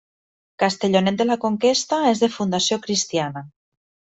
Castellonet de la Conquesta és de fundació cristiana.